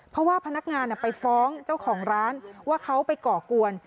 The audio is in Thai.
เพราะว่าพนักงานไปฟ้องเจ้าของร้านว่าเขาไปก่อกวน